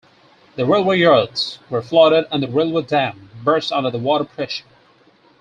The railway yards were flooded and the railway dam burst under the water pressure.